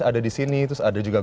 ada di sini terus ada juga